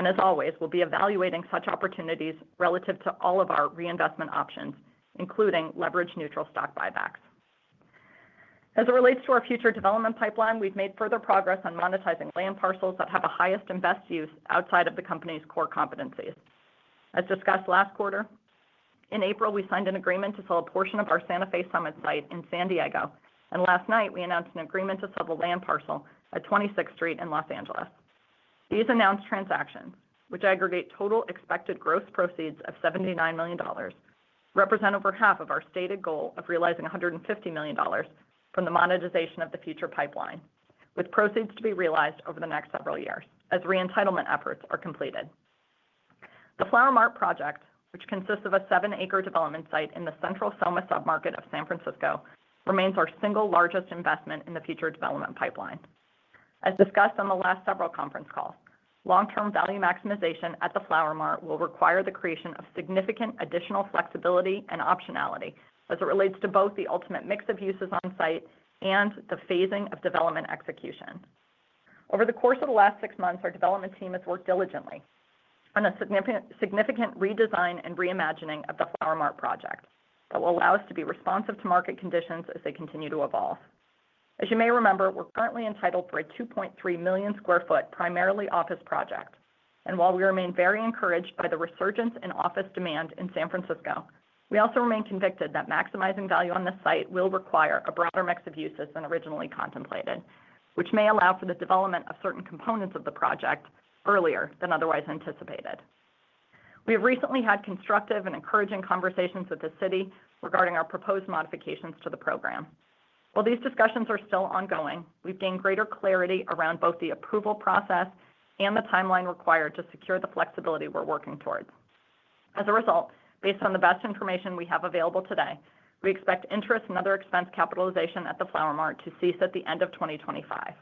grow. And as always, we'll be evaluating such opportunities relative to all of our reinvestment options, including leverage neutral stock buybacks. As it relates to our future development pipeline, we've made further progress on monetizing land parcels that have the highest and best use outside of the company's core competencies. As discussed last quarter, in April, we signed an agreement to sell a portion of our Santa Fe Summit site in San Diego. And last night, we announced an agreement to sell the land parcel at 20 Sixth Street in Los Angeles. These announced transactions, which aggregate total expected gross proceeds of $79,000,000 represent over half of our stated goal of realizing $150,000,000 from the monetization of the future pipeline, with proceeds to be realized over the next several years as re entitlement efforts are completed. The Flower Mart project, which consists of a seven acre development site in the Central Selma submarket of San Francisco, remains our single largest investment in the future development pipeline. As discussed on the last several conference calls, long term value maximization at the Flower Mart will require the creation of significant additional flexibility and optionality as it relates to both the ultimate mix of uses on-site and the phasing of development execution. Over the course of the last six months, our development team has worked diligently on a significant redesign and reimagining of the Flower Mart project that will allow us to be responsive to market conditions as they continue to evolve. As you may remember, we're currently entitled for a 2,300,000 square foot primarily office project. And while we remain very encouraged by the resurgence in office demand in San Francisco, we also remain convicted that maximizing value on this site will require a broader mix of uses than originally contemplated, which may allow for the development of certain components of the project earlier than otherwise anticipated. We have recently had constructive and encouraging conversations with the city regarding our proposed modifications to the program. While these discussions are still ongoing, we've gained greater clarity around both the approval process and the time line required to secure the flexibility we're working towards. As a result, based on the best information we have available today, we expect interest and other expense capitalization at the Flower Mart to cease at the 2025.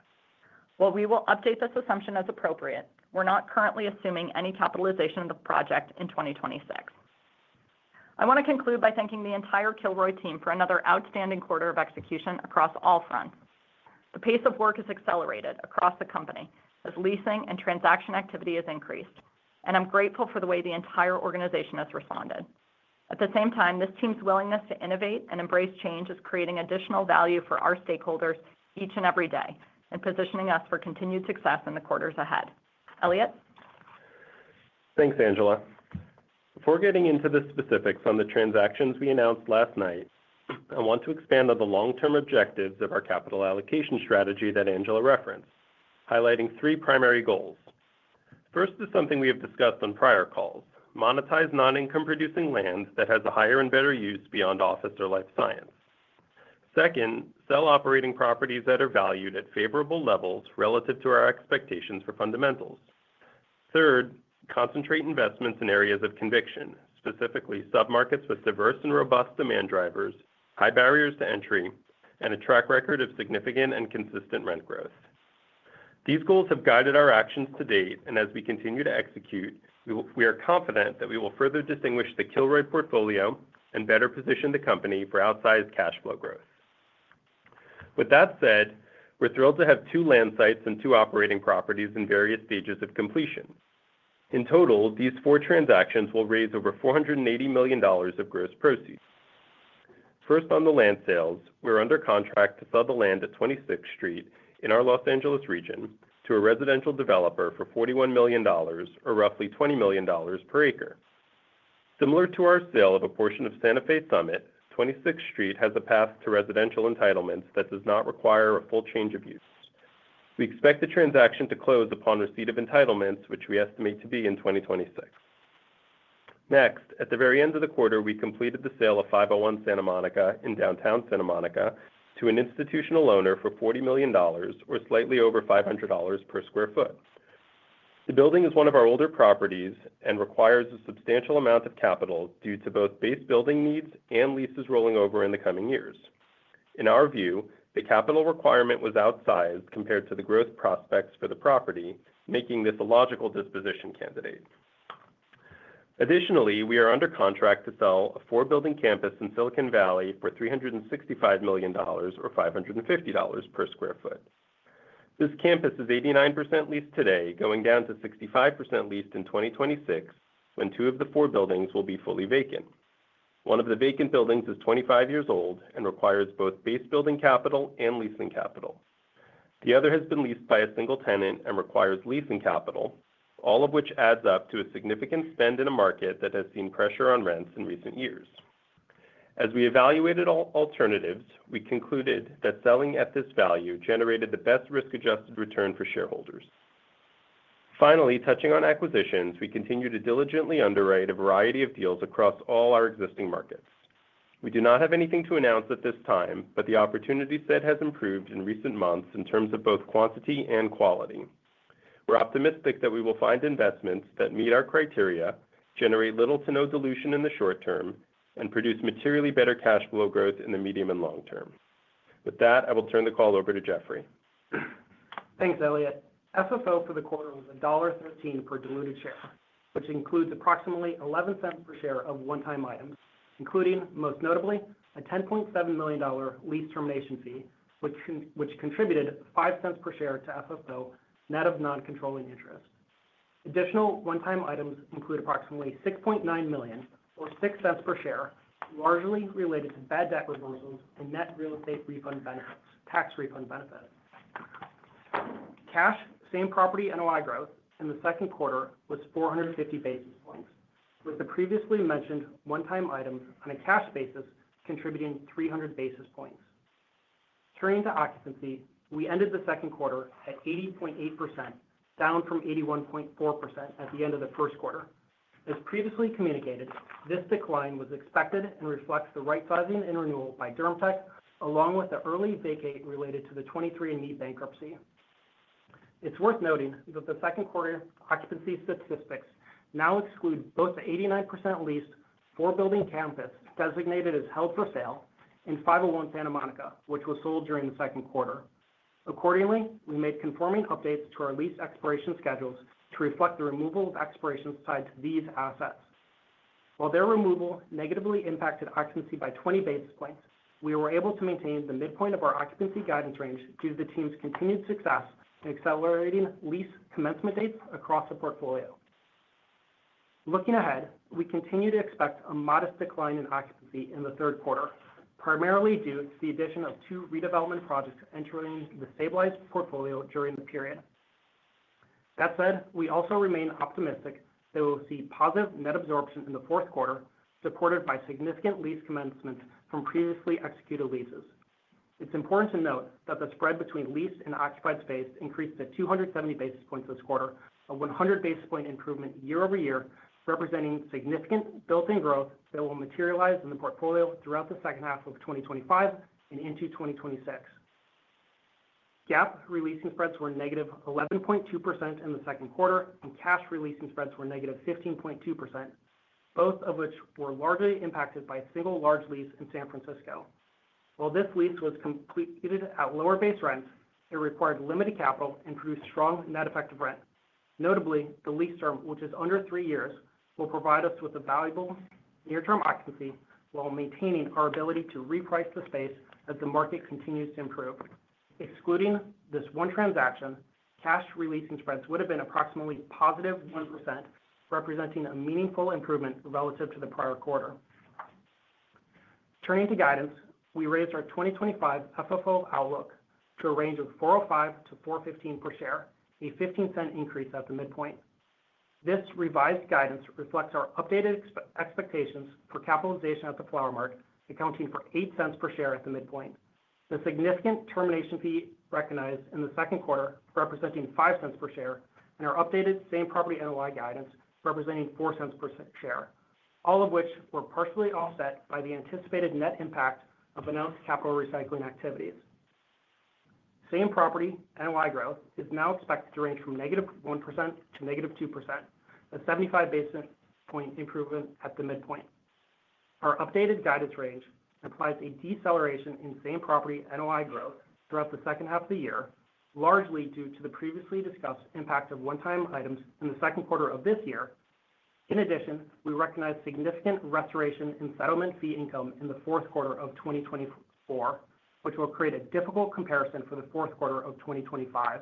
While we will update this assumption as appropriate, we're not currently assuming any capitalization of the project in 2026. I want to conclude by thanking the entire Kilroy team for another outstanding quarter of execution across all fronts. The pace of work has accelerated across the company as leasing and transaction activity has increased, and I'm grateful for the way the entire organization has responded. At the same time, this team's willingness to innovate and embrace change is creating additional value for our stakeholders each and every day and positioning us for continued success in the quarters ahead. Elliot? Thanks, Angela. Before getting into the specifics on the transactions we announced last night, I want to expand on the long term objectives of our capital allocation strategy that Angela referenced, highlighting three primary goals. First is something we have discussed on prior calls, monetize non income producing land that has a higher and better use beyond office or life science. Second, sell operating properties that are valued at favorable levels relative to our expectations for fundamentals. Third, concentrate investments in areas of conviction, specifically submarkets with diverse and robust demand drivers, high barriers to entry and a track record of significant and consistent rent growth. These goals have guided our actions to date and as we continue to execute, we are confident that we will further distinguish the Kilroy portfolio and better position the company for outsized cash flow growth. With that said, we're thrilled to have two land sites and two operating properties in various stages of completion. In total, these four transactions will raise over $480,000,000 of gross proceeds. First on the land sales, we're under contract to sell the land at 20 Sixth Street in our Los Angeles region to a residential developer for $41,000,000 or roughly $20,000,000 per acre. Similar to our sale of a portion of Santa Fe Summit, 20 Sixth Street has a path to residential entitlements that does not require a full change of use. We expect the transaction to close upon receipt of entitlements, which we estimate to be in 2026. Next, at the very end of the quarter, we completed the sale of 501 Santa Monica in Downtown Santa Monica to an institutional owner for $40,000,000 or slightly over $500 per square foot. The building is one of our older properties and requires a substantial amount of capital due to both base building needs and leases rolling over in the coming years. In our view, the capital requirement was outsized compared to the growth prospects for the property, making this a logical disposition candidate. Additionally, we are under contract to sell a four building campus in Silicon Valley for $365,000,000 or $550 per square foot. This campus is 89% leased today going down to 65 leased in 2026 when two of the four buildings will be fully vacant. One of the vacant buildings is twenty five years old and requires both base building capital and leasing capital. The other has been leased by a single tenant and requires leasing capital, all of which adds up to a significant spend in a market that has seen pressure on rents in recent years. As we evaluated alternatives, we concluded that selling at this value generated the best risk adjusted return for shareholders. Finally, touching on acquisitions, we continue to diligently underwrite a variety of deals across all our existing markets. We do not have anything to announce at this time, but the opportunity set has improved in recent months in terms of both quantity and quality. We're optimistic that we will find investments that meet our criteria, generate little to no dilution in the short term and produce materially better cash flow growth in the medium and long term. With that, I will turn the call over to Jeffrey. Thanks, Elliot. FFO for the quarter was $1.13 per diluted share, which includes approximately $0.11 per share of one time items, including most notably a $10,700,000 lease termination fee, which contributed $05 per share to FFO net of non controlling interest. Additional one time items include approximately $6,900,000 or $06 per share, largely related to bad debt reversals and net real estate refund benefits tax refund benefits. Cash same property NOI growth in the second quarter was four fifty basis points with the previously mentioned one time items on a cash basis contributing 300 basis points. Turning to occupancy, we ended the second quarter at 80.8% down from 81.4% at the end of the first quarter. As previously communicated, this decline was expected and reflects the rightsizing and renewal by Dermtech along with the early vacate related to the 23andMe bankruptcy. It's worth noting that the second quarter occupancy statistics now exclude both the 89% leased four building campus designated as held for sale in 501 Santa Monica, which was sold during the second quarter. Accordingly, we made conforming updates to our lease expiration schedules to reflect the removal of expirations tied to these assets. While their removal negatively impacted occupancy by 20 basis points, we were able to maintain the midpoint of our occupancy guidance range due to the team's continued success in accelerating lease commencement dates across the portfolio. Looking ahead, we continue to expect a modest decline in occupancy in the third quarter, primarily due to the addition of two redevelopment projects entering the stabilized portfolio during the period. That said, we also remain optimistic that we'll see positive net absorption in the fourth quarter supported by significant lease commencements from previously executed leases. It's important to note that the spread between leased and occupied space increased to two seventy basis points this quarter, a 100 basis point improvement year over year, representing significant built in growth that will materialize in the portfolio throughout the 2025 and into 2026. GAAP releasing spreads were negative 11.2% in the second quarter and cash releasing spreads were negative 15.2%, both of which were largely impacted by a single large lease in San Francisco. While this lease was completed at lower base rents, it required limited capital and produced strong net effective rent. Notably, the lease term, which is under three years, will provide us with a valuable near term occupancy while maintaining our ability to reprice the space as the market continues to improve. Excluding this one transaction, cash releasing spreads would have been approximately positive 1%, representing a meaningful improvement relative to the prior quarter. Turning to guidance. We raised our 2025 FFO outlook to a range of $4.05 to $4.15 per share, a $0.15 increase at the midpoint. This revised guidance reflects our updated expectations for capitalization at the Flower Mart, accounting for $08 per share at the midpoint, the significant termination fee recognized in the second quarter representing $05 per share and our updated same property NOI guidance representing $04 per share, all of which were partially offset by the anticipated net impact of announced capital recycling activities. Same property NOI growth is now expected to range from negative 1% to negative 2%, a 75 basis point improvement at the midpoint. Our updated guidance range implies a deceleration in same property NOI growth throughout the second half of the year, largely due to the previously discussed impact of one time items in the second quarter of this year. In addition, we recognized significant restoration in settlement fee income in the 2024, which will create a difficult comparison for the 2025.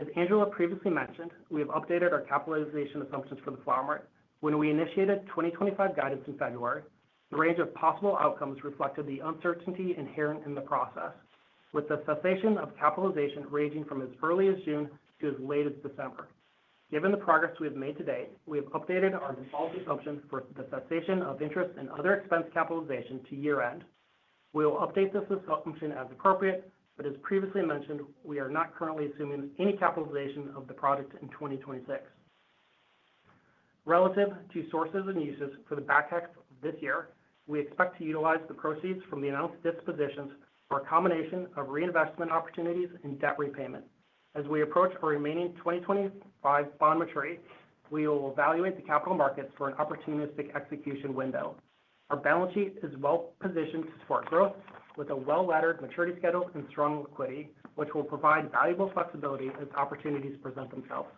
As Angela previously mentioned, we have updated our capitalization assumptions for the Flower Mart. When we initiated 2025 guidance in February, the range of possible outcomes reflected the uncertainty inherent in the process, with the cessation of capitalization ranging from as early as June to as late as December. Given the progress we have made to date, we have updated our default assumptions for the cessation of interest and other expense capitalization to year end. We will update this assumption as appropriate, but as previously mentioned, we are not currently assuming any capitalization of the product in 2026. Relative to sources and uses for the back half of this year, we expect to utilize the proceeds from the announced dispositions for a combination of reinvestment opportunities and debt repayment. As we approach for remaining 2025 bond maturity, we will evaluate the capital markets for an opportunistic execution window. Our balance sheet is well positioned to support growth with a well laddered maturity schedule and strong liquidity, which will provide valuable flexibility as opportunities present themselves.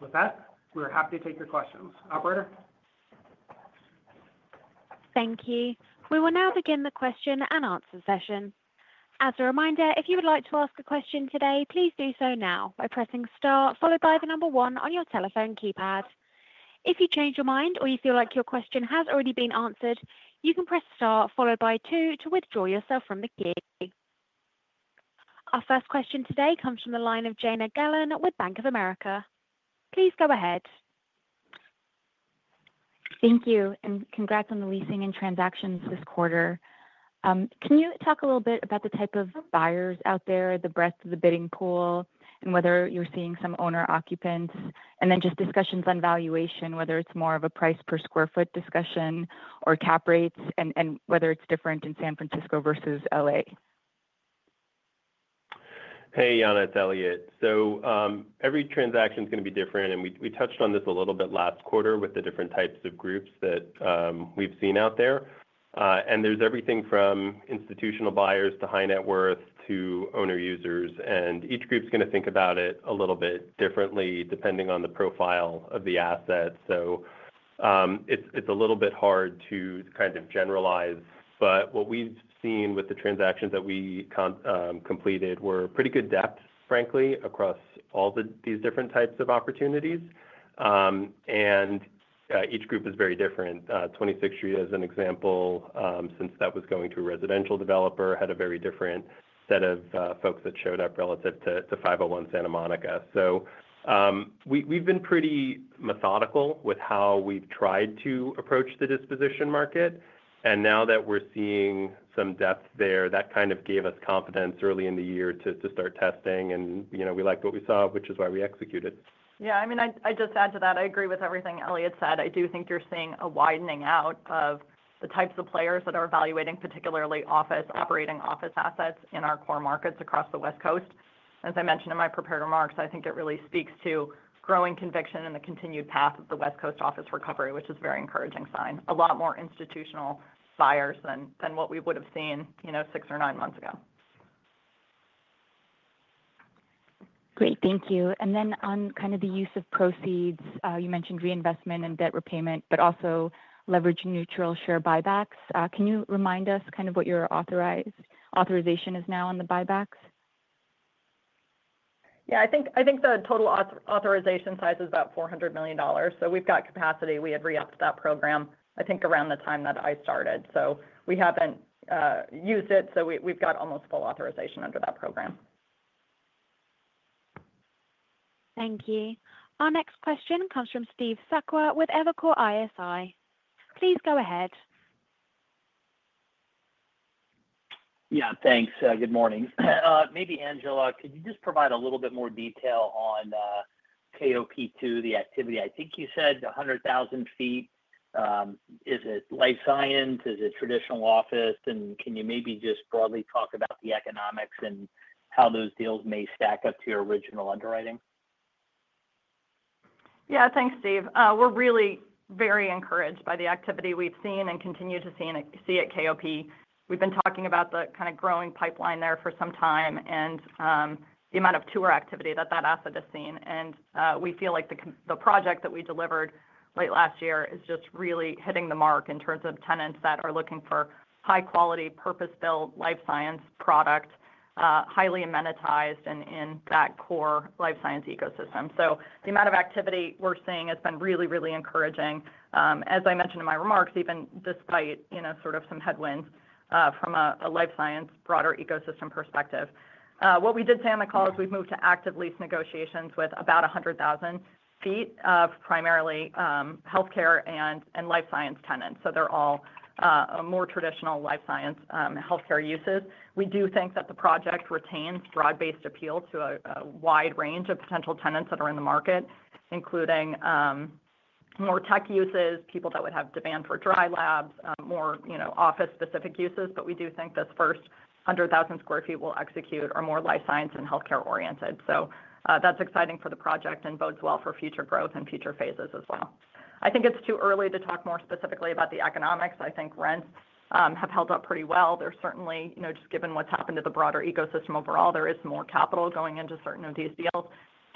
With that, we are happy to take your questions. Operator? Thank you. We will now begin the question and answer session. Our first question today comes from the line of Jaina Gellan with Bank of America. Please go ahead. Thank you and congrats on the leasing and transactions this quarter. Can you talk a little bit about the type of buyers out there, the breadth of the bidding pool and whether you're seeing some owner occupants? And then just discussions on valuation, whether it's more of a price per square foot discussion or cap rates and and whether it's different in San Francisco versus LA? Hey, Yana. It's Elliot. So, every transaction is gonna be different, and we we touched on this a little bit last quarter with the different types of groups that, we've seen out there. And there's everything from institutional buyers to high net worth to owner users. And each group's gonna think about it a little bit differently depending on the profile of the asset. So, it's it's a little bit hard to kind of generalize. But what we've seen with the transactions that we completed were pretty good depth, frankly, across all the these different types of opportunities. And each group is very different. 20 Sixth Street, as an example, since that was going to residential developer, had a very different set of, folks that showed up relative to to 501 Santa Monica. So, we we've been pretty methodical with how we've tried to approach the disposition market. And now that we're seeing some depth there, that kind of gave us confidence early in the year to to start testing, and, you know, we like what we saw, which is why we executed. Yeah. I mean, I I just add to that. I agree with everything Elliot said. I do think you're seeing a widening out of the types of players that are evaluating, particularly office operating office assets in our core markets across the West Coast. As I mentioned in my prepared remarks, I think it really speaks to growing conviction in the continued path of the West Coast office recovery, which is a very encouraging sign, a lot more institutional buyers than what we would have seen six or nine months ago. Great. And then on kind of the use of proceeds, you mentioned reinvestment and debt repayment, but also leveraging neutral share buybacks. Can you remind us kind of what your authorized authorization is now on the buybacks? Yeah. I think the total authorization size is about $400,000,000 So we've got capacity. We had re upped that program, I think, around the time that I started. So we haven't used it. So we've got almost full authorization under that program. Thank you. Our next question comes from Steve Sakwa with Evercore ISI. Please go ahead. Yes, thanks. Good morning. Maybe, Angela, could you just provide a little bit more detail on KOP2, the activity? I think you said 100,000 feet. Is it life science? Is it traditional office? And can you maybe just broadly talk about the economics and how those deals may stack up to your original underwriting? Yes. Thanks, Steve. We're really very encouraged by the activity we've seen and continue to see at KOP. We've been talking about the kind of growing pipeline there for some time and the amount of tour activity that, that asset has seen. And we feel like the project that we delivered late last year is just really hitting the mark in terms of tenants that are looking for high quality purpose built life science product, highly amenitized and in that core life science ecosystem. So the amount of activity we're seeing has been really, really encouraging, as I mentioned in my remarks, even despite sort of some headwinds from a life science broader ecosystem perspective. What we did say on the call is we've moved to active lease negotiations with about 100,000 feet of primarily health care and life science tenants. So they're all more traditional life science health care uses. We do think that the project retains broad based appeal to a wide range of potential tenants that are in the market, including more tech uses, people that would have demand for dry labs, more office specific uses. But we do think this first 100,000 square feet we'll execute are more life science and health care oriented. So that's exciting for the project and bodes well for future growth and future phases as well. I think it's too early to talk more specifically about the economics. I think rents have held up pretty well. There's certainly just given what's happened to the broader ecosystem overall, there is more capital going into certain of these deals.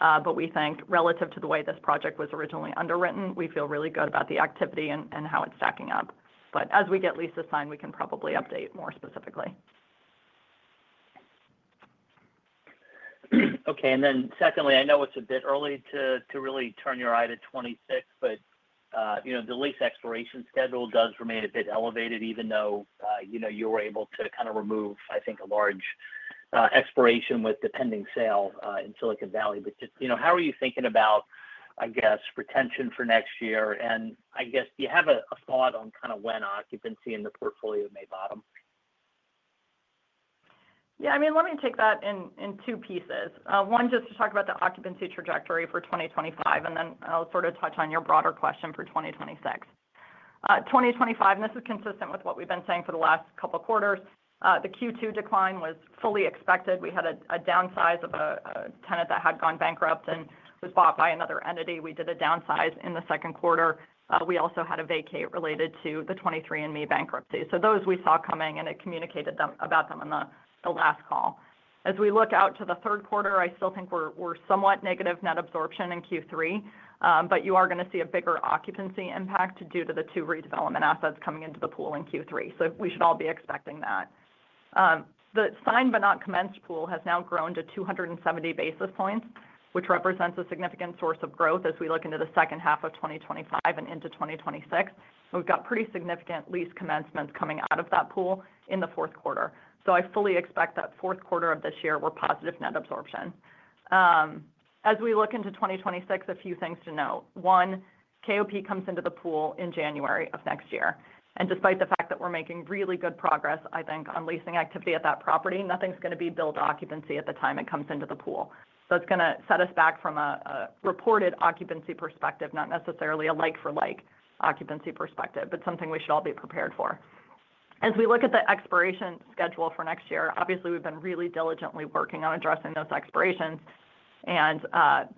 But we think relative to the way this project was originally underwritten, we feel really good about the activity and how it's stacking up. But as we get leases signed, we can probably update more specifically. Okay. And then secondly, I know it's a bit early to really turn your eye to '26, but the lease expiration schedule does remain a bit elevated even though you were able to kind of remove, I think, a large expiration with the pending sale in Silicon Valley. But just how are you thinking about, I guess, retention for next year? And I guess, do you have a thought on kind of when occupancy in the portfolio may bottom? Yes. I mean, let me take that in two pieces. One, just to talk about the occupancy trajectory for 2025, and then I'll sort of touch on your broader question for 2026. 2025, and this is consistent with what we've been saying for the last couple of quarters. The Q2 decline was fully expected. We had a downsize of a tenant that had gone bankrupt and was bought by another entity. We did a downsize in the second quarter. We also had a vacate related to the '23 and Me bankruptcy. So those we saw coming, and I communicated them about them on the last call. As we look out to the third quarter, I still think we're somewhat negative net absorption in Q3, but you are going to see a bigger occupancy impact due to the two redevelopment assets coming into the pool in Q3. So we should all be expecting that. The signed but not commenced pool has now grown to two seventy basis points, which represents a significant source of growth as we look into the 2025 and into 2026. So we've got pretty significant lease commencements coming out of that pool in the fourth quarter. So I fully expect that fourth quarter of this year, we're positive net absorption. As we look into 2026, a few things to note. One, KOP comes into the pool in January. And despite the fact that we're making really good progress, I think, on leasing activity at that property, nothing is going to be billed occupancy at the time it comes into the pool. So it's going to set us back from a reported occupancy perspective, not necessarily a like for like occupancy perspective, but something we should all be prepared for. As we look at the expiration schedule for next year, obviously, we've been really diligently working on addressing those expirations. And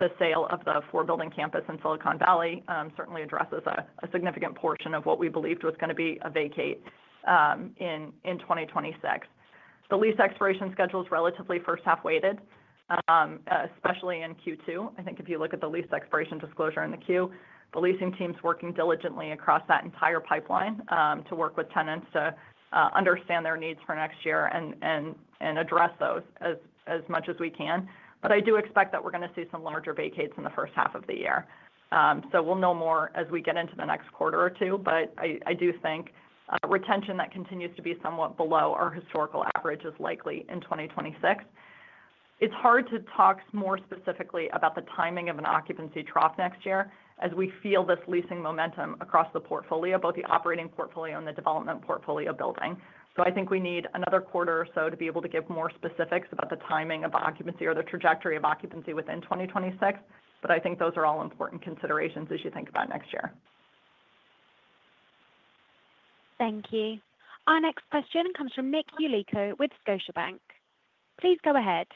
the sale of the four building campus in Silicon Valley certainly addresses a significant portion of what we believed was going to be a vacate in 2026. The lease expiration schedule is relatively first half weighted, especially in Q2. I think if you look at the lease expiration disclosure in the Q, the leasing team is working diligently across that entire pipeline to work with tenants to understand their needs for next year and address those as much as we can. But I do expect that we're going to see some larger vacates in the first half of the year. So we'll know more as we get into the next quarter or two. But I do think retention that continues to be somewhat below our historical average is likely in 2026. It's hard to talk more specifically about the timing of an occupancy trough next year as we feel this leasing momentum across the portfolio, both the operating portfolio and the development portfolio building. So I think we need another quarter or so to be able to give more specifics about the timing of occupancy or the trajectory of occupancy within 2026. But I think those are all important considerations as you think about next year. Thank you. Our next question comes from Nick Yulico with Scotiabank. Please go ahead.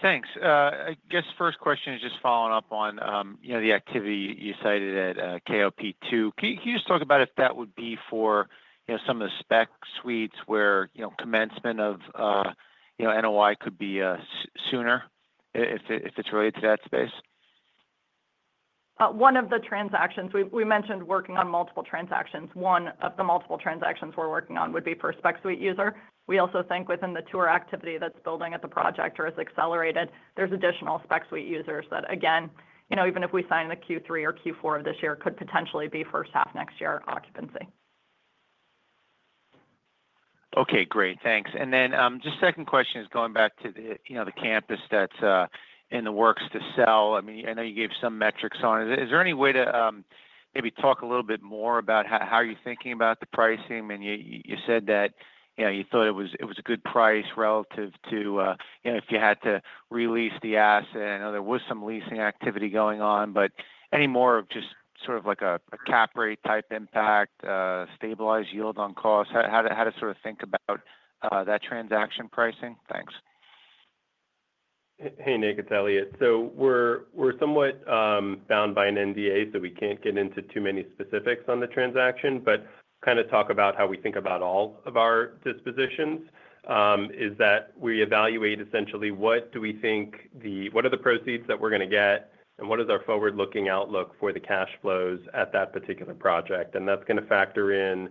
Thanks. I guess first question is just following up on the activity you cited at KOP2. Can just talk about if that would be for some of the spec suites where commencement of NOI could be sooner if it's related to that space? One of the transactions we mentioned working on multiple transactions. One of the multiple transactions we're working on would be for spec suite user. We also think within the tour activity that's building at the project or is accelerated, there's additional spec suite users that, again, even if we sign in the Q3 or Q4 of this year, could potentially be first half next year occupancy. Okay. Great. And then just second question is going back to the campus that's in the works to sell. I mean, know you gave some metrics on it. Is there any way to maybe talk a little bit more about how you're thinking about the pricing? And you said that you thought it was a good price relative to if you had to release the asset. I know there was some leasing activity going on, but any more of just sort of like a cap rate type impact, stabilized yield on cost? How to sort of think about that transaction pricing? Thanks. Hey, Nick. It's Elliot. So we're somewhat bound by an NDA, so we can't get into too many specifics on the transaction. But kinda talk about how we think about all of our dispositions, is that we evaluate essentially what do we think the what are the proceeds that we're gonna get and what is our forward looking outlook for the cash flows at that particular project. And that's gonna factor in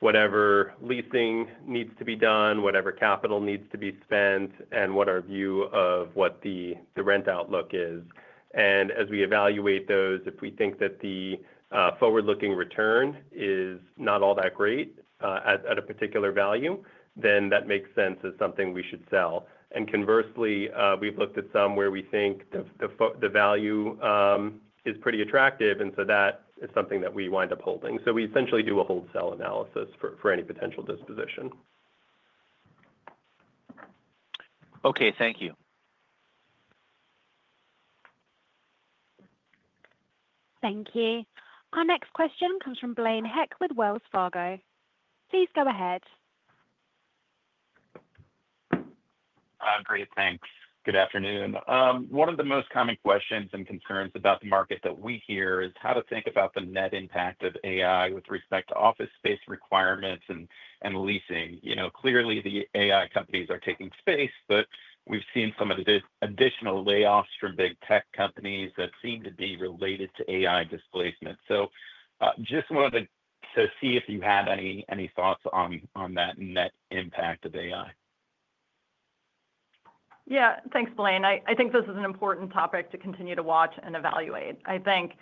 whatever leasing needs to be done, whatever capital needs to be spent, and what our view of what the the rent outlook is. And as we evaluate those, if we think that the forward looking return is not all that great, at at a particular value, then that makes sense as something we should sell. And conversely, we've looked at some where we think the the the value, is pretty attractive, and so that is something that we wind up holding. So we essentially do a wholesale analysis for for any potential disposition. Okay. Thank you. Thank you. Our next question comes from Blaine Heck with Wells Fargo. Please go ahead. Great. Thanks. Good afternoon. One of the most common questions and concerns about the market that we hear is how to think about the net impact of AI with respect to office space requirements and leasing. Clearly, the AI companies are taking space, but we've seen some of the additional layoffs from big tech companies that seem to be related to AI displacement. So, just wanted to see if you had any thoughts on on that net impact of AI. Yeah. Thanks, Blaine. I I think this is an important topic to continue to watch and evaluate. I think,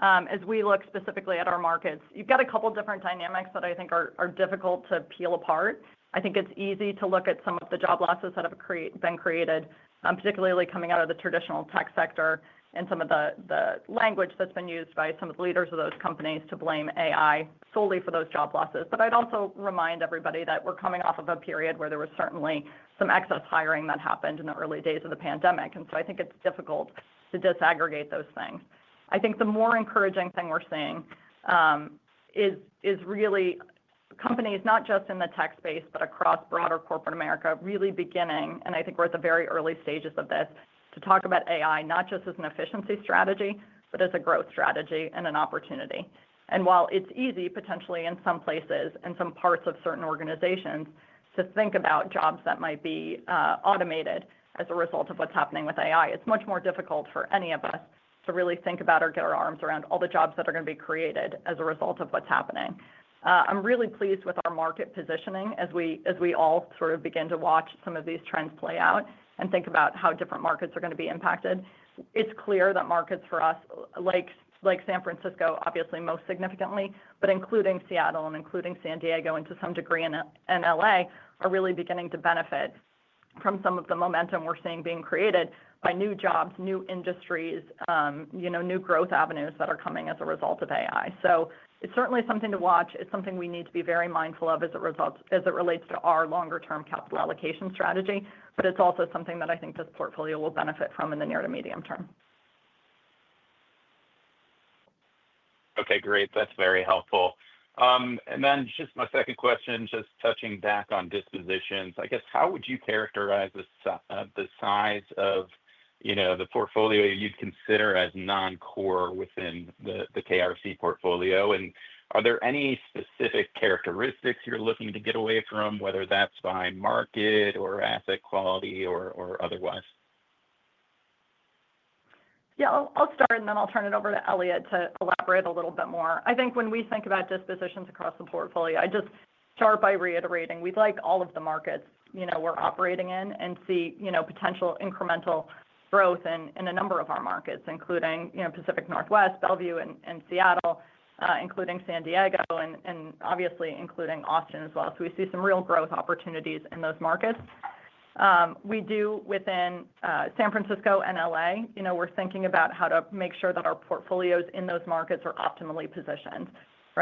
as we look specifically at our markets, you've got a couple of different dynamics that I think are are difficult to peel apart. I think it's easy to look at some of the job losses that have been created, particularly coming out of the traditional tech sector and some of the language that's been used by some of the leaders of those companies to blame AI solely for those job losses. But I'd also remind everybody that we're coming off of a period where there was certainly some excess hiring that happened in the early days of the pandemic. And so I think it's difficult to disaggregate those things. I think the more encouraging thing we're seeing is really companies, not just in the tech space but across broader corporate America, really beginning and I think we're at the very early stages of this to talk about AI not just as an efficiency strategy but as a growth strategy and an opportunity. And while it's easy potentially in some places and some parts of certain organizations to think about jobs that might be automated as a result of what's happening with AI, it's much more difficult for any of us to really think about or get our arms around all the jobs that are gonna to be created as a result of what's happening. I'm really pleased with our market positioning as we all sort of begin to watch some of these trends play out and think about how different markets are going to be impacted. It's clear that markets for us, like San Francisco, obviously, most significantly, but including Seattle and including San Diego and, to some degree, and L. A, are really beginning to benefit from some of the momentum we're seeing being created by new jobs, new industries, new growth avenues that are coming as a result of AI. So it's certainly something to watch. It's something we need to be very mindful of as it relates to our longer term capital allocation strategy, but it's also something that I think this portfolio will benefit from in the near to medium term. Okay. Great. That's very helpful. And then just my second question, just touching back on dispositions. I guess how would you characterize the size of the portfolio you'd consider as noncore within the KRC portfolio? And are there any specific characteristics you're looking to get away from, whether that's by market or asset quality or otherwise? Yes. I'll start, then I'll turn it over to Elliot to elaborate a little bit more. I think when we think about dispositions across the portfolio, I just start by reiterating. We'd like all of the markets we're operating in and see potential incremental growth in a number of our markets, including Pacific Northwest, Bellevue and Seattle, including San Diego and obviously including Austin as well. So we see some real growth opportunities in those markets. We do within San Francisco and L. A, we're thinking about how to make sure that our portfolios in those markets are optimally positioned,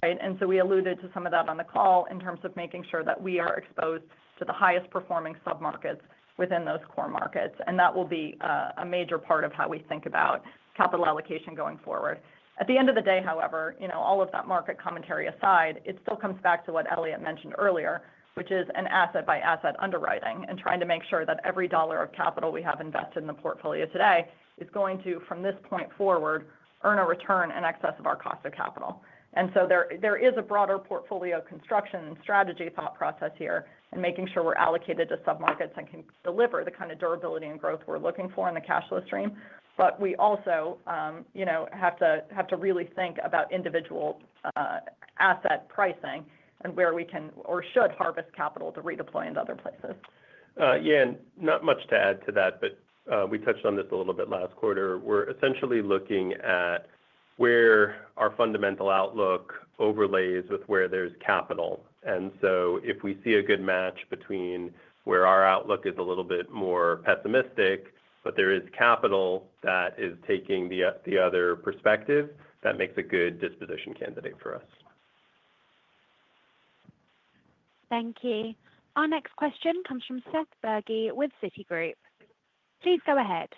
right? And so we alluded to some of that on the call in terms of making sure that we are exposed to the highest performing submarkets within those core markets. And that will be a major part of how we think about capital allocation going forward. At the end of the day, however, all of that market commentary aside, it still comes back to what Elliot mentioned earlier, which is an asset by asset underwriting and trying to make sure that every dollar of capital we have invested in the portfolio today is going to, from this point forward, earn a return in excess of our cost of capital. And so there is a broader portfolio construction and strategy thought process here making sure we're allocated to submarkets and can deliver the kind of durability and growth we're looking for in the cash flow stream. But we also have to really think about individual asset pricing and where we can or should harvest capital to redeploy into other places. Yeah. And not much to add to that, but, we touched on this a little bit last quarter. We're essentially looking at where our fundamental outlook overlays with where there's capital. And so if we see a good match between where our outlook is a little bit more pessimistic, but there is capital that is taking the the other perspective, that makes a good disposition candidate for us. Thank you. Our next question comes from Seth Berge with Citigroup. Please go ahead.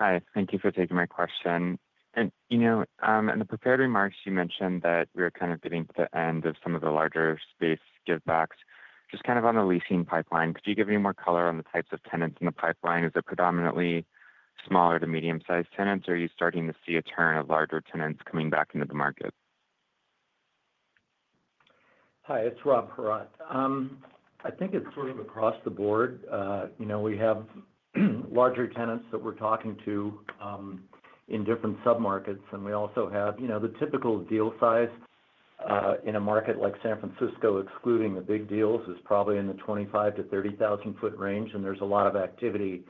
Hi. Thank you for taking my question. In the prepared remarks, mentioned that we're kind of getting to the end of some of the larger space givebacks. Just kind of on the leasing pipeline, could you give any more color on the types of tenants in the pipeline? Is it predominantly smaller to medium sized tenants? Are you starting to see a turn of larger tenants coming back into the market? Hi, it's Rob Parrott. I think it's sort of across the board. We have larger tenants that we're talking to in different submarkets. And we also have the typical deal size in a market like San Francisco, excluding the big deals, is probably in the 25,000 to 30,000 foot range, and there's a lot of activity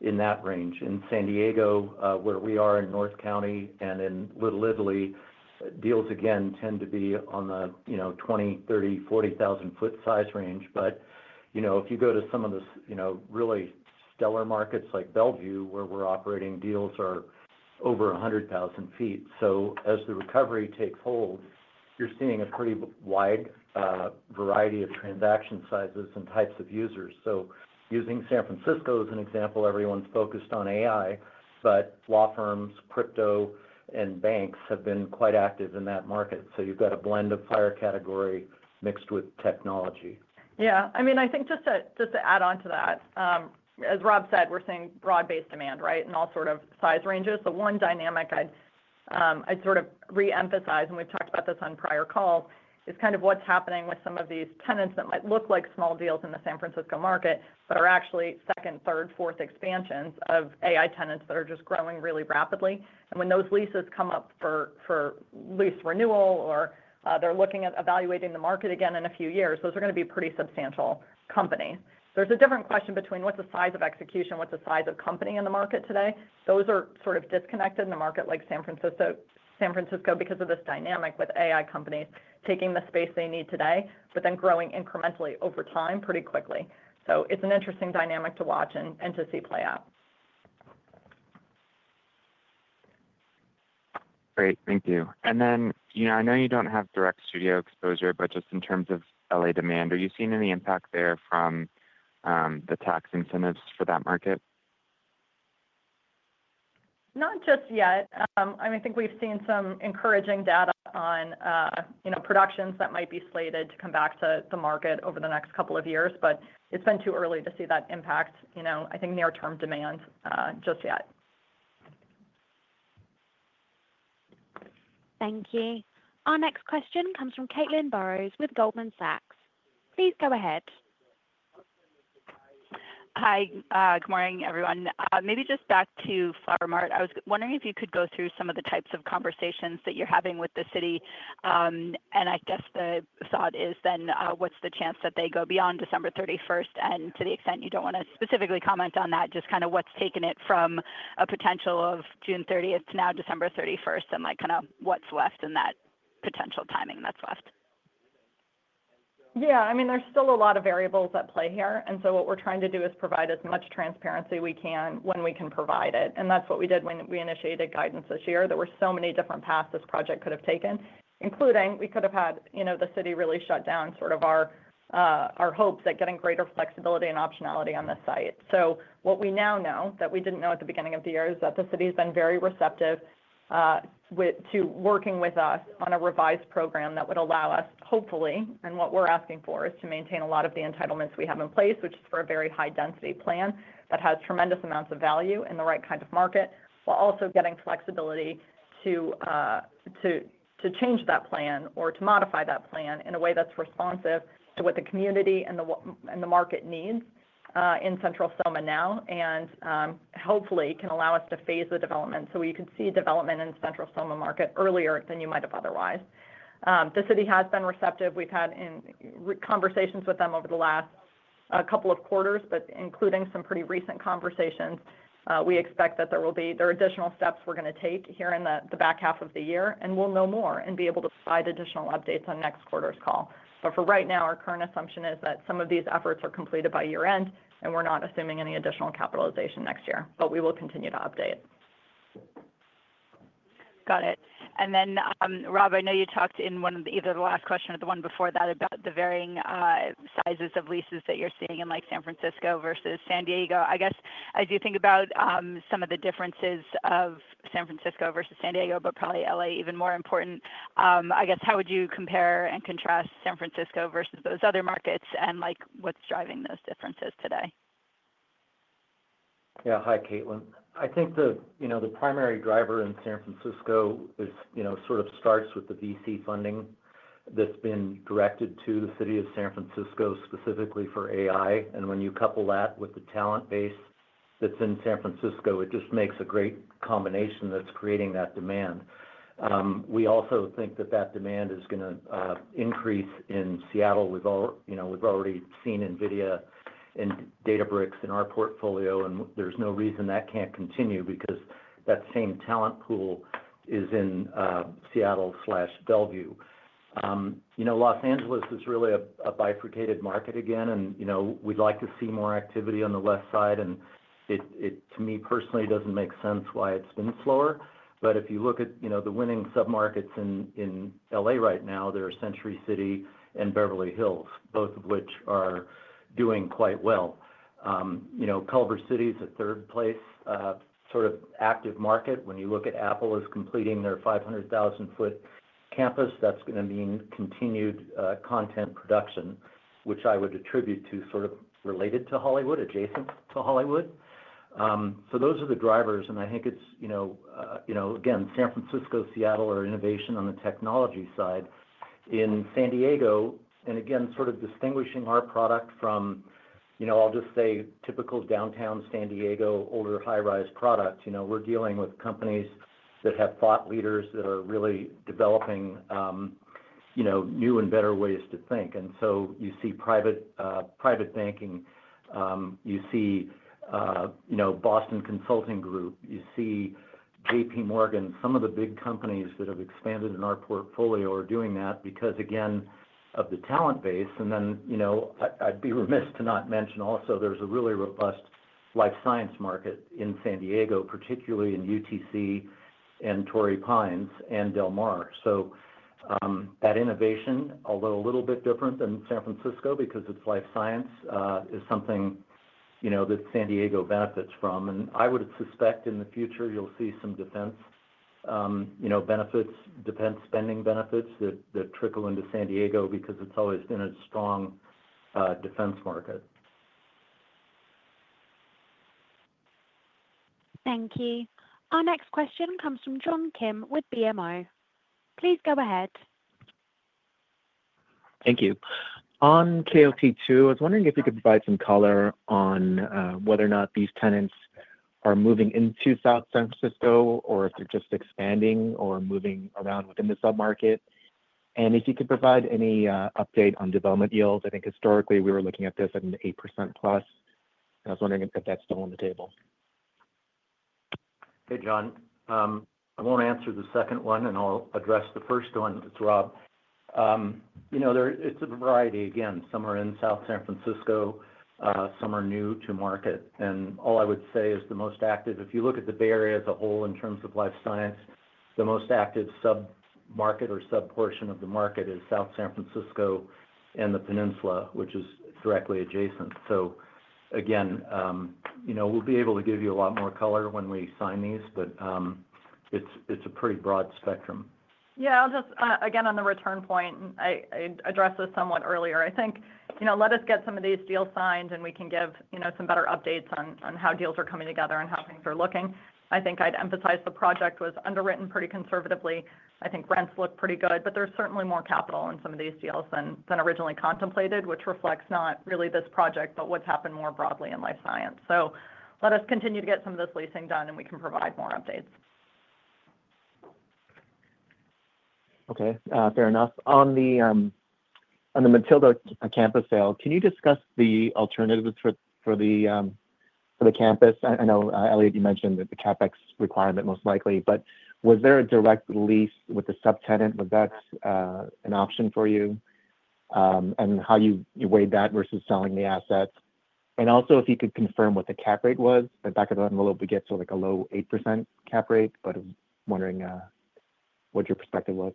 in that range. In San Diego, where we are in North County and in Little Italy, deals again tend to be on the 20,000, 30,000, 40,000 foot size range. But if you go to some of the really stellar markets like Bellevue, where we're operating deals are over 100,000 feet. So as the recovery takes hold, you're seeing a pretty wide variety of transaction sizes and types of users. So using San Francisco as an example, everyone's focused on AI, but law firms, crypto and banks have been quite active in that market. So you've got a blend of fire category mixed with technology. Yeah. I mean, think just to add on to that, as Rob said, we're seeing broad based demand, right, in all sort of size ranges. The one dynamic I'd sort of reemphasize, and we've talked about this on prior calls, is kind of what's happening with some of these tenants that might look like small deals in the San Francisco market, but are actually second, third, fourth expansions of AI tenants that are just growing really rapidly. And when those leases come up for lease renewal or they're looking at evaluating the market again in a few years, those are going be pretty substantial companies. There's a different question between what's the size of execution, what's the size of company in the market today. Those are sort of disconnected in the market like Francisco because of this dynamic with AI companies taking the space they need today but then growing incrementally over time pretty quickly. So it's an interesting dynamic to watch and to see play out. Great. Thank you. And then, you know, I know you don't have direct studio exposure, but just in terms of LA demand, are you seeing any impact there from, the tax incentives for that market? Not just yet. I mean, think we've seen some encouraging data on productions that might be slated to come back to the market over the next couple of years. But it's been too early to see that impact, I think, near term demand just yet. Our next question comes from Caitlin Burrows with Goldman Sachs. Maybe just back to Flower I was wondering if you could go through some of the types of conversations that you're having with the city. And I guess the thought is then what's the chance that they go beyond December 31? And to the extent you don't want to specifically comment on that, just kind of what's taken it from a potential of June 30 to now December 31 and, like, kinda what's left in that potential timing that's left. Yeah. I mean, there's still a lot of variables at play here. And so what we're trying to do is provide as much transparency we can when we can provide it. And that's what we did when we initiated guidance this year. There were so many different paths this project could have taken, including we could have had, you know, the city really shut down sort of our, our hopes at getting greater flexibility and optionality on the site. So what we now know that we didn't know at the beginning of the year is that the city has been very receptive with to working with us on a revised program that would allow us, hopefully, and what we're asking for is to maintain a lot of the entitlements we have in place, which is for a very high density plan that has tremendous amounts of value in the right kind of market while also getting flexibility to change that plan or to modify that plan in a way that's responsive to what the community and the market needs in Central Selma now and hopefully can allow us to phase the development so we can see development in Central Selma market earlier than you might have otherwise. The city has been receptive. We've had conversations with them over the last couple of quarters, but including some pretty recent conversations. We expect that there will be there are additional steps we're going to take here in the back half of the year, and we'll know more and be able to provide additional updates on next quarter's call. But for right now, our current assumption is that some of these efforts are completed by year end, and we're not assuming any additional capitalization next year, but we will continue to update. Got it. And then, Rob, I know you talked in one of the either the last question or the one before that about the varying sizes of leases that you're seeing in like San Francisco versus San Diego. I guess as you think about some of the differences of San Francisco versus San Diego, but probably LA even more important, I guess how would you compare and contrast San Francisco versus those other markets and like what's driving those differences today? Yeah. Hi, Caitlin. I think the, you know, the primary driver in San Francisco is, you know, sort of starts with the VC funding that's been directed to the city of San Francisco specifically for AI. And when you couple that with the talent base that's in San Francisco, it just makes a great combination that's creating that demand. We also think that that demand is going to increase in Seattle. We've already seen NVIDIA and Databricks in our portfolio, and there's no reason that can't continue because that same talent pool is in SeattleDelvieu. Los Angeles is really a bifurcated market again, and we'd like to see more activity on the West Side. And it, to me, personally, doesn't make sense why it's been slower. But if you look at the winning submarkets in L. A. Right now, there are Century City and Beverly Hills, both of which are doing quite well. You know, Culver City is a third place sort of active market. When you look at Apple as completing their 500,000 foot campus, that's going to mean continued content production, which I would attribute to sort of related to Hollywood, adjacent to Hollywood. So those are the drivers. And I think it's, again, San Francisco, Seattle are innovation on the technology side. In San Diego, and again, sort of distinguishing our product from, I'll just say, typical Downtown San Diego older high rise product, we're dealing with companies that have thought leaders that are really developing new and better ways to think. And so you see private banking, you see Boston Consulting Group, you see JPMorgan. Some of the big companies that have expanded in our portfolio are doing that because, again, of the talent base. And then I'd be remiss to not mention also there's a really robust life science market in San Diego, particularly in UTC and Torrey Pines and Del Mar. So that innovation, although a little bit different than San Francisco because it's life science, is something that San Diego benefits from. And I would suspect in the future, you'll see some defense benefits, defense spending benefits that trickle into San Diego because it's always been a strong defense market. Thank you. Our next question comes from John Kim with BMO. Please go ahead. Thank you. On KOT2, was wondering if you could provide some color on whether or not these tenants are moving into South San Francisco or if they're just expanding or moving around within the submarket. And if you could provide any update on development deals. I think historically we were looking at this at an 8% plus. I was wondering if that's still on the table. Hey, John. I won't answer the second one, and I'll address the first one. It's Rob. It's a variety. Again, some are in South San Francisco, some are new to market. And all I would say is the most active if you look at the Bay Area as a whole in terms of life science, the most active submarket or subportion of the market is South San Francisco and The Peninsula, which is directly adjacent. So again, we'll be able to give you a lot more color when we sign these, but it's a pretty broad spectrum. Yes. I'll just again, on the return point, I addressed this somewhat earlier. I think let us get some of these deals signed and we can give some better updates on how deals are coming together and how things are looking. I think I'd emphasize the project was underwritten pretty conservatively. I think rents look pretty good, but there's certainly more capital in some of these deals than originally contemplated, which reflects not really this project, but what's happened more broadly in Life Science. So let us continue to get some of those leasing done and we can provide more updates. Okay. Fair enough. On the Matilda campus sale, can you discuss the alternatives for the campus? I know Elliot you mentioned that the CapEx requirement most likely, but was there a direct lease with the subtenant, was that an option for you? And how you weighed that versus selling the assets? And also if you could confirm what the cap rate was, the back of the envelope we get to like a low 8% cap rate, but wondering what your perspective was?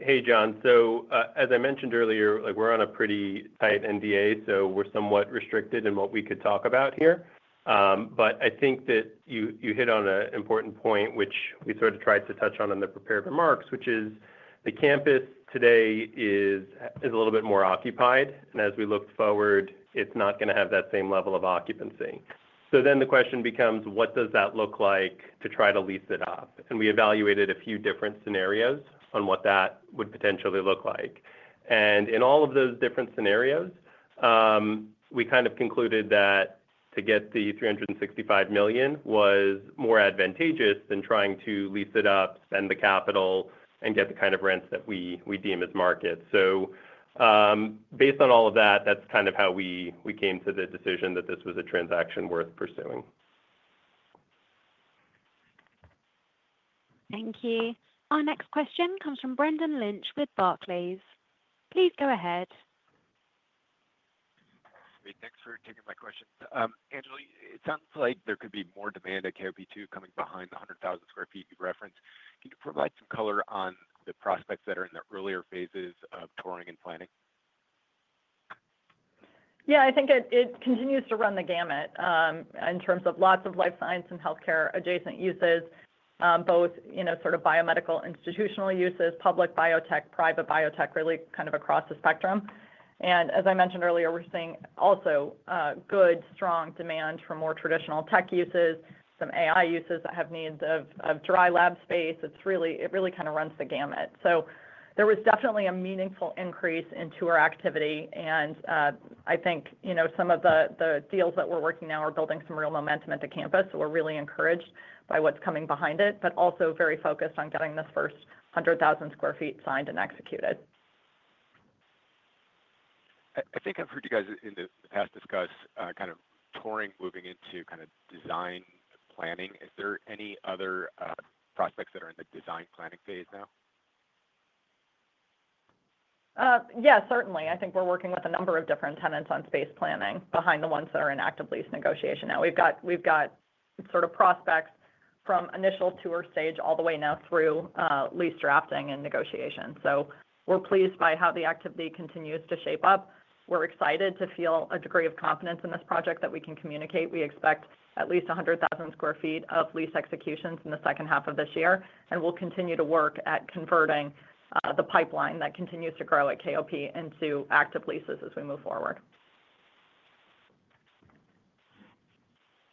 Hey, John. So, as I mentioned earlier, like, we're on a pretty tight NDA, so we're somewhat restricted in what we could talk about here. But I think that you you hit on a important point, which we sort of tried to touch on in the prepared remarks, which is the campus today is is a little bit more occupied. And as we look forward, it's not gonna have that same level of occupancy. So then the question becomes, what does that look like to try to lease it up? And we evaluated a few different scenarios on what that would potentially look like. And in all of those different scenarios, we kind of concluded that to get the 365,000,000 was more advantageous than trying to lease it up, spend the capital, and get the kind of rents that we we deem as market. So, based on all of that, that's kind of how we we came to the decision that this was a transaction worth pursuing. Thank you. Our next question comes from Brendan Lynch with Barclays. Please go ahead. Thanks for taking my question. Angelie, it sounds like there could be more demand at KOB2 coming behind the 100,000 square feet you referenced. Can you provide some color on the prospects that are in the earlier phases of touring and planning? Yeah. I think it continues to run the gamut, in terms of lots of life science and health care adjacent uses, both sort of biomedical institutional uses, public biotech, private biotech, really kind of across the spectrum. And as I mentioned earlier, we're seeing also good, strong demand for more traditional tech uses, some AI uses that have needs of dry lab space. It really kind of runs the gamut. So there was definitely a meaningful increase in tour activity. And I think some of the deals that we're working now are building some real momentum at the campus. So we're really encouraged by what's coming behind it, but also very focused on getting this first 100,000 square feet signed and executed. I think I've heard you guys in the past discuss, kind of touring, moving into kind of design planning. Is there any other, prospects that are in the design planning phase now? Yes. Certainly. I think we're working with a number of different tenants on space planning behind the ones that are in active lease negotiation now. We've got sort of prospects from initial tour stage all the way now through lease drafting and negotiation. So we're pleased by how the activity continues to shape up. We're excited to feel a degree of confidence in this project that we can communicate. We expect at least 100,000 square feet of lease executions in the second half of this year, and we'll continue to work at converting the pipeline that continues to grow at KOP into active leases as we move forward.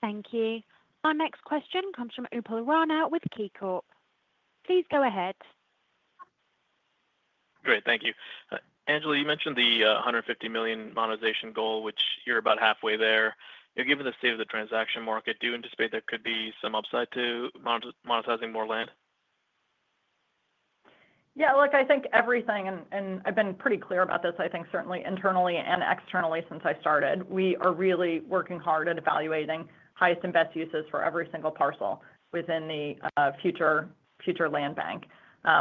Thank you. Our next question comes from Upland Rana with KeyCorp. Please go ahead. Great. Thank you. Angela, you mentioned the £150,000,000 monetization goal, which you're about halfway there. Given the state of the transaction market, do you anticipate there could be some upside to monetizing more land? Yes. Look, think everything and I've been pretty clear about this, I think, certainly internally and externally since I started. We are really working hard at evaluating highest and best uses for every single parcel within the future land bank.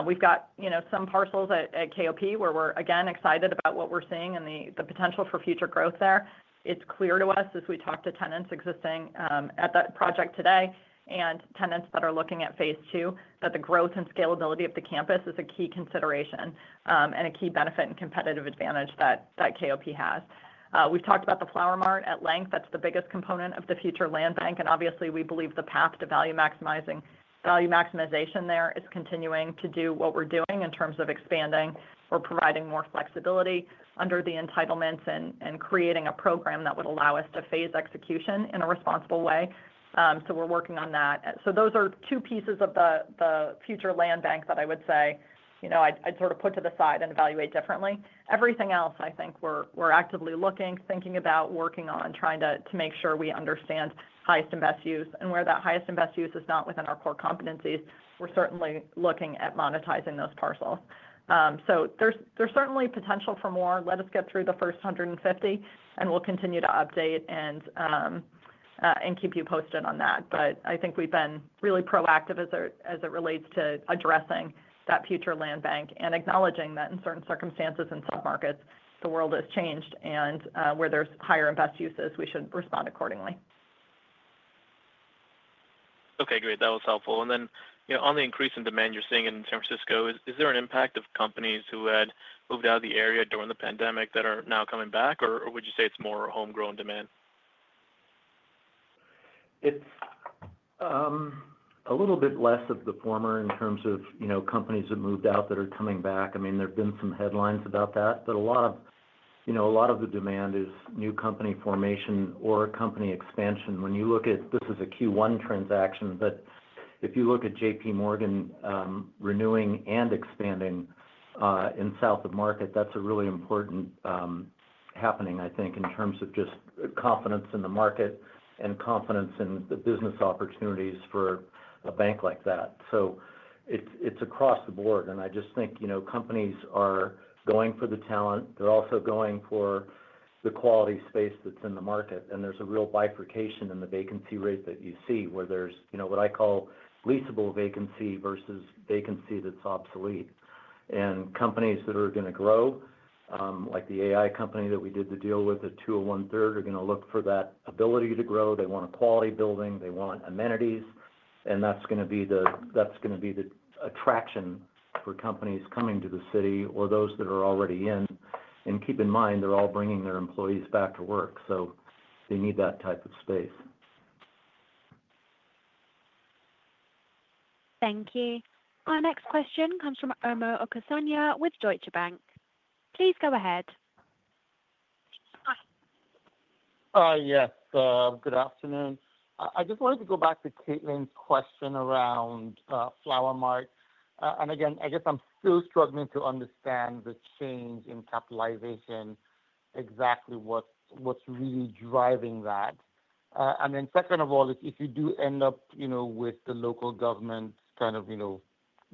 We've got some parcels at KOP where we're, again, excited about what we're seeing and the potential for future growth there. It's clear to us as we talk to tenants existing at that project today and tenants that are looking at Phase two that the growth and scalability of the campus is a key consideration and a key benefit and competitive advantage that KOP has. We've talked about the Flower Mart at length. That's the biggest component of the future land bank. And obviously, we believe the path to value maximizing value maximization there is continuing to do what we're doing in terms of expanding or providing more flexibility under the entitlements and creating a program that would allow us to phase execution in a responsible way. So we're working on that. So those are two pieces of the future land bank that I would say I'd sort of put to the side and evaluate differently. Everything else, I think, we're actively looking, thinking about, working on, trying to make sure we understand highest and best use. And where that highest and best use is not within our core competencies, we're certainly looking at monetizing those parcels. So there's certainly potential for more. Let us get through the first $150,000,000 we'll continue to update and keep you posted on that. But I think we've been really proactive as it relates to addressing that future land bank and acknowledging that in certain circumstances and submarkets, the world has changed and where there's higher and best uses, we should respond accordingly. Okay, great. That was helpful. And then on the increase in demand you're seeing in San Francisco, is there an impact of companies who had moved out of the area during the pandemic that are now coming back? Or would you say it's more homegrown demand? It's a little bit less of the former in terms of companies that moved out that are coming back. I mean, there have been some headlines about that. But a lot of the demand is new company formation or company expansion. When you look at this is a Q1 transaction, but if you look at JPMorgan renewing and expanding in South Of Market, that's a really important happening, I think, in terms of just confidence in the market and confidence in the business opportunities for a bank like that. So it's across the board. And I just think companies are going for the talent. They're also going for the quality space that's in the market. And there's a real bifurcation in the vacancy rate that you see, where there's what I call leasable vacancy versus vacancy that's obsolete. And companies that are going to grow, like the AI company that we did the deal with, the two onethree, are going to look for that ability to grow. They want a quality building. They want amenities. And that's going to be the attraction for companies coming to the city or those that are already in. And keep in mind, they're all bringing their employees back to work. So they need that type of space. Thank you. Our next question comes from Omer Okusanya with Deutsche Bank. Please go ahead. Yes. Good afternoon. I just wanted to go back to Caitlin's question around Flower Mart. And again, I guess I'm still struggling to understand the change in capitalization exactly what's what's really driving that. And then second of all, if if you do end up, you know, with the local government kind of, you know,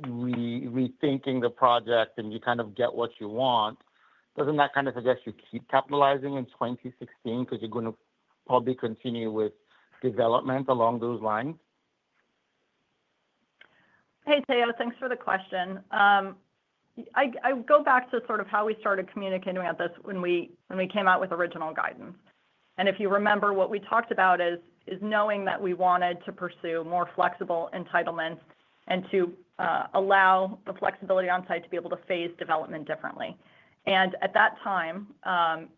rethinking the project and you kind of get what you want, doesn't that kind of suggest you keep capitalizing in 2016 because you're going to probably continue with development along those lines? Hey, Teo. Thanks for the question. I go back to sort of how we started communicating about this when we came out with original guidance. And if you remember, what we talked about is knowing that we wanted to pursue more flexible entitlements and to, allow the flexibility on-site to be able to phase development differently. And at that time,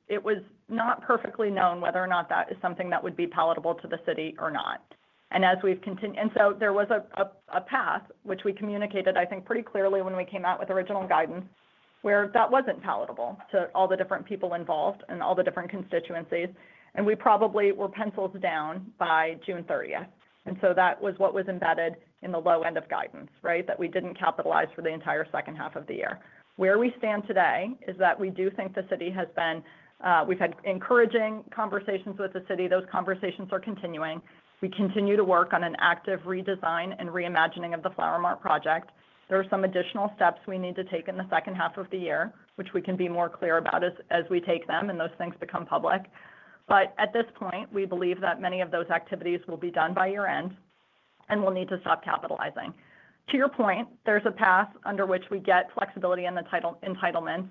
it was not perfectly known whether or not that is something that would be palatable to the city or not. And as we've continue and so there was a a path, which we communicated, I think, pretty clearly when we came out with original guidance, where that wasn't palatable to all the different people involved and all the different constituencies, and we probably were penciled down by June 30. And so that was what was embedded in the low end of guidance, right, that we didn't capitalize for the entire second half of the year. Where we stand today is that we do think the city has been we've had encouraging conversations with the city. Those conversations are continuing. We continue to work on an active redesign and reimagining of the Flower Mart project. There are some additional steps we need to take in the second half of the year, which we can be more clear about as we take them and those things become public. But at this point, we believe that many of those activities will be done by year end, and we'll need to stop capitalizing. To your point, there's a path under which we get flexibility in the entitlements,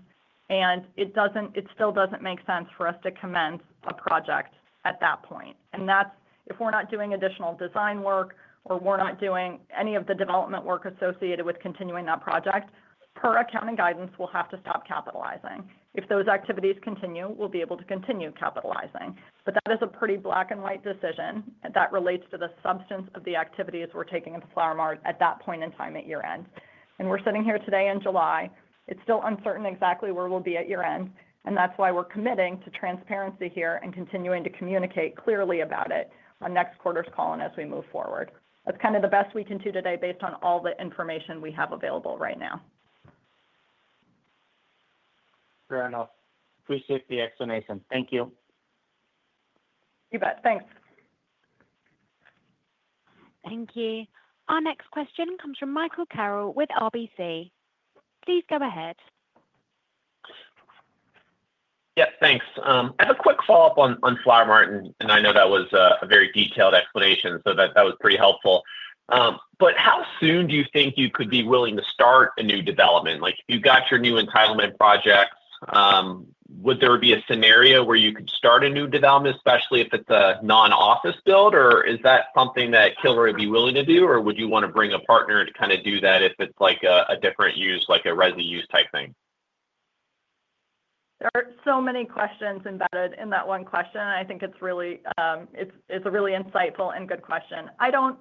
and it doesn't it still doesn't make sense for us to commence a project at that point. And that's if we're not doing additional design work or we're not doing any of the development work associated with continuing that project, per accounting guidance, we'll have to stop capitalizing. If those activities continue, we'll be able to continue capitalizing. But that is a pretty black and white decision that relates to the substance of the activities we're taking into Flower Mart at that point in time at year end. And we're sitting here today in July. It's still uncertain exactly where we'll be at year end, and that's why we're committing to transparency here and continuing to communicate clearly about it on next quarter's call and as we move forward. That's kind of the best we can do today based on all the information we have available right now. Fair enough. Appreciate the explanation. Thank you. You bet. Thanks. Thank you. Our next question comes from Michael Carroll with RBC. Please go ahead. Yes, thanks. I have a quick follow-up on Flower Mart, and I know that was a very detailed explanation, so that was pretty helpful. But how soon do you think you could be willing to start a new development? Like you've got your new entitlement projects. Would there be a scenario where you could start a new development, especially if it's a nonoffice build? Or is that something that Hillary would be willing to do? Or would you want to bring a partner to kind of do that if it's like a different use, like a resi use type thing? There are so many questions embedded in that one question. I think it's really, it's it's a really insightful and good question. I don't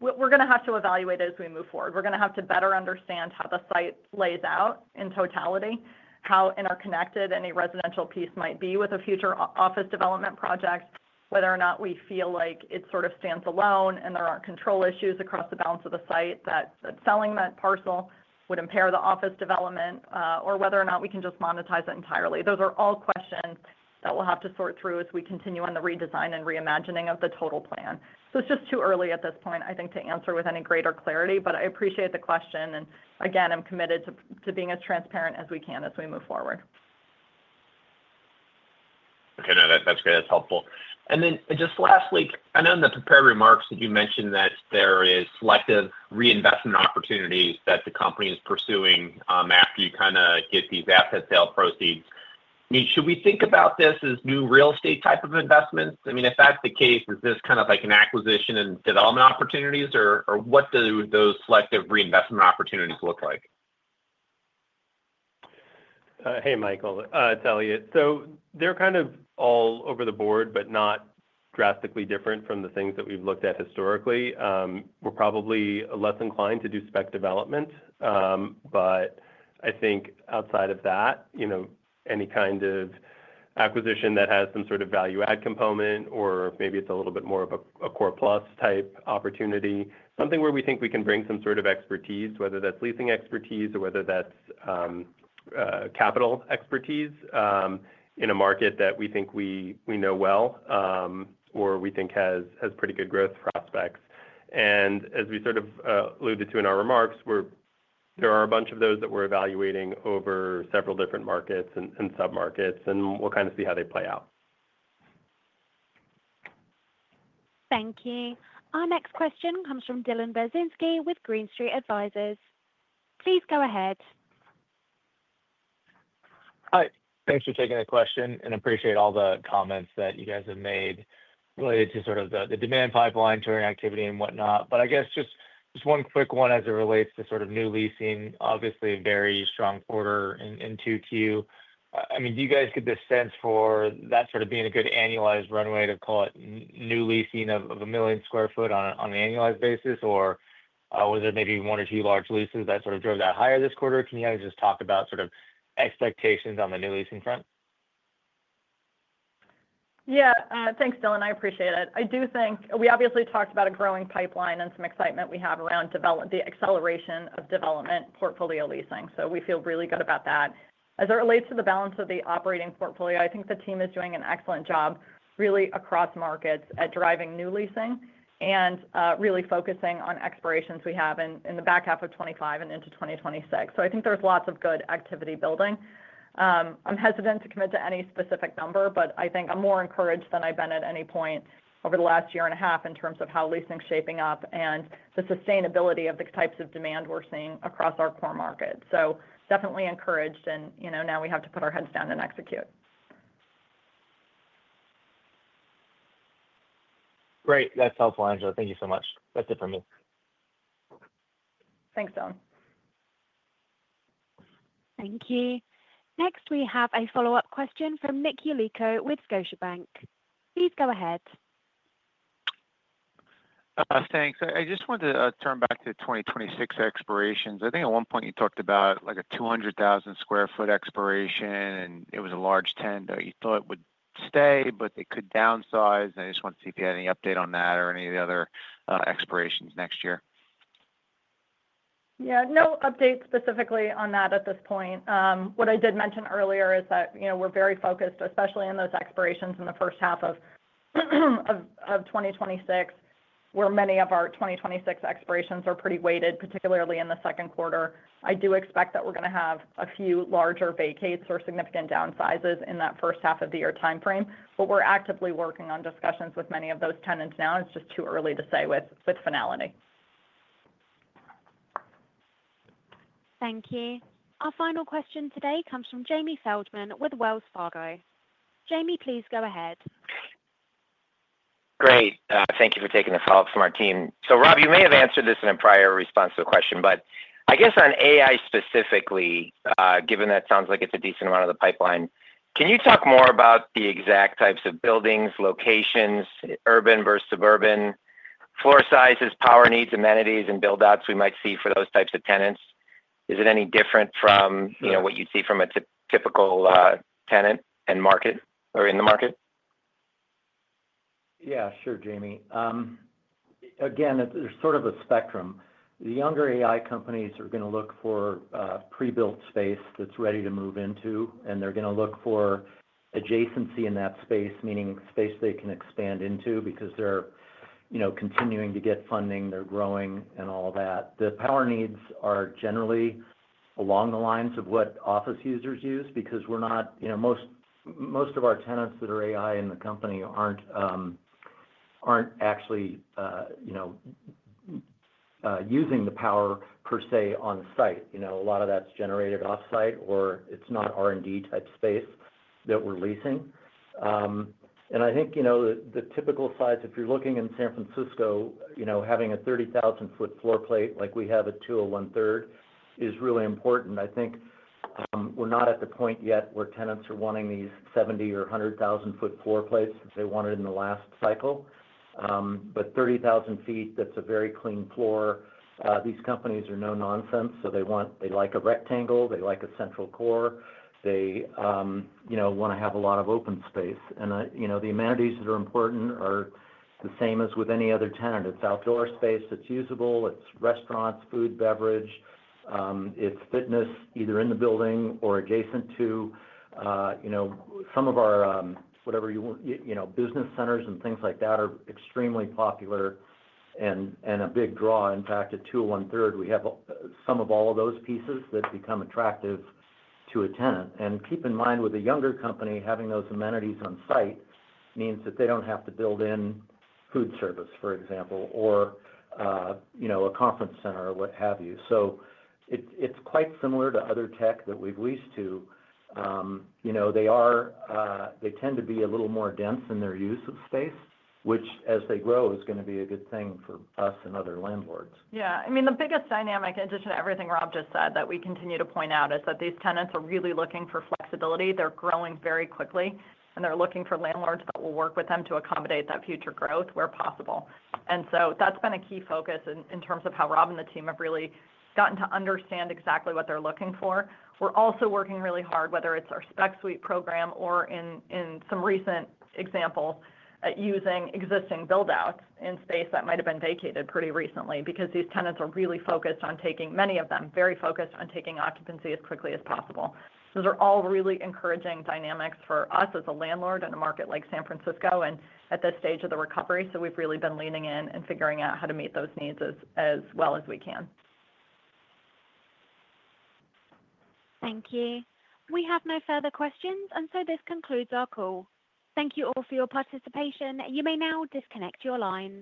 we're we're gonna have to evaluate as we move forward. We're gonna have to better understand how the site plays out in totality, how interconnected any residential piece might be with a future office development project, whether or not we feel like it sort of stands alone and there are control issues across the balance of the site that selling that parcel would impair the office development or whether or not we can just monetize it entirely. Those are all questions that we'll have to sort through as we continue on the redesign and reimagining of the total plan. So it's just too early at this point, I think, to answer with any greater clarity. But I appreciate the question. And again, I'm committed to being as transparent as we can as we move forward. Okay. That's great. That's helpful. And then just lastly, I know in the prepared remarks that you mentioned that there is selective reinvestment opportunities that the company is pursuing after you kind of get these asset sale proceeds. Should we think about this as new real estate type of investments? I mean if that's the case, is this kind of like an acquisition and development opportunities? Or or what do those selective reinvestment opportunities look like? Hey, Michael. It's Elliot. So they're kind of all over the board, but not drastically different from the things that we've looked at historically. We're probably less inclined to do spec development. But I think outside of that, you know, any kind of acquisition that has some sort of value add component or maybe it's a little bit more of a a core plus type opportunity, something where we think we can bring some sort of expertise, whether that's leasing expertise or whether that's, capital expertise in a market that we think we we know well, or we think has has pretty good growth prospects. And as we sort of alluded to in our remarks, we're there are a bunch of those that we're evaluating over several different markets and submarkets, and we'll kind of see how they play out. Thank you. Our next question comes from Dylan Verzinski with Green Street Advisors. Please go ahead. Hi. Thanks for taking the question and appreciate all the comments that you guys have made related to sort of the demand pipeline, touring activity and whatnot. But I guess just one quick one as it relates sort of new leasing, obviously, very strong quarter in 2Q. I mean, do you guys give this sense for that sort of being a good annualized runway to call it new leasing of 1,000,000 square foot on an annualized basis? Or was it maybe one or two large leases that sort of drove that higher this quarter? Can you guys just talk about sort of expectations on the new leasing front? Yes. Thanks, Dylan. I appreciate it. I do think we obviously talked about a growing pipeline and some excitement we have around the acceleration of development portfolio leasing. So we feel really good about that. As it relates to the balance of the operating portfolio, I think the team is doing an excellent job really across markets at driving new leasing and really focusing on expirations we have in the '5 and into 2026. So I think there's lots of good activity building. I'm hesitant to commit to any specific number, but I think I'm more encouraged than I've been at any point over the last year and a half in terms of how leasing is shaping up and the sustainability of the types of demand we're seeing across our core markets. So definitely encouraged and now we have to put our heads down and execute. Great. That's helpful, Angela. Thank you so much. That's it for me. Thanks, Don. Thank you. Next, we have a follow-up question from Nick Yulico with Scotiabank. Please go ahead. Thanks. I just want to turn back to 2026 expirations. I think at one point you talked about like a 200,000 square foot expiration and it was a large tent that you thought would stay, but it could downsize. I just want to see if you had any update on that or any of the other expirations next year. Yeah. No update specifically on that at this point. What I did mention earlier is that, you know, we're very focused, especially in those expirations in the 2026, where many of our 2026 expirations are pretty weighted, particularly in the second quarter. I do expect that we're going to have a few larger vacates or significant downsizes in that first half of the year time frame. But we're actively working on discussions with many of those tenants now. It's just too early to say with finality. Thank you. Our final question today comes from Jamie Feldman with Wells Fargo. Jamie, please go ahead. Great. Thank you for taking the follow-up from our team. So Rob, you may have answered this in a prior response to the question, but I guess on AI specifically, given that sounds like it's a decent amount of the pipeline. Can you talk more about the exact types of buildings, locations, urban versus suburban, floor sizes, power needs, amenities and build outs we might see for those types of tenants? Is it any different from what you'd see from a typical tenant end market or in the market? Yeah. Sure, Jamie. Again, there's sort of a spectrum. The younger AI companies are gonna look for, pre built space that's ready to move into, and they're gonna look for adjacency in that space, meaning space they can expand into because they're continuing to get funding, they're growing and all that. The power needs are generally along the lines of what office users use because we're not most of our tenants that are AI in the company aren't actually using the power per se on-site. A lot of that's generated off-site or it's not R and D type space that we're leasing. And I think the typical size, if you're looking in San Francisco, having a 30,000 foot floor plate like we have at 201 Third is really important. Think we're not at the point yet where tenants are wanting these 70,000 or 100,000 foot floor plates that they wanted in the last cycle. But 30,000 feet, that's a very clean floor. These companies are no nonsense. So they want they like a rectangle. They like a central core. They, you know, wanna have a lot of open space. And, you know, the amenities that are important are the same as with any other tenant. It's outdoor space. It's usable. It's restaurants, food, beverage. It's fitness either in the building or adjacent to, you know, some of our, whatever you want, you know, business centers and things like that are extremely popular and and a big draw. In fact, at two to one third, we have some of all of those pieces that become attractive to a tenant. And keep in mind, with a younger company, having those amenities on-site means that they don't have to build in food service, for example, or, you know, a conference center or what have you. So it's it's quite similar to other tech that we've leased to. They tend to be a little more dense in their use of space, which as they grow is going to be a good thing for us and other landlords. Yeah. I mean, biggest dynamic, in addition to everything Rob just said, that we continue to point out is that these tenants are really looking They're growing very quickly, and they're looking for landlords that will work with them to accommodate that future growth where possible. And so that's been a key focus in terms of how Rob and the team have really gotten to understand exactly what they're looking for. We're also working really hard, whether it's our spec suite program or in some recent example, using existing build outs in space that might have been vacated pretty recently because these tenants are really focused on taking many of them, very focused on taking occupancy as quickly as possible. Those are all really encouraging dynamics for us as a landlord in a market like San Francisco and at this stage of the recovery. So we've really been leaning in and figuring out how to meet those needs as well as we can. Thank you. We have no further questions, and so this concludes our call. Thank you all for your participation. You may now disconnect your lines.